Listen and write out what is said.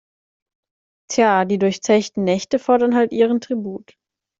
Tja, die durchzechten Nächte fordern halt ihren Tribut.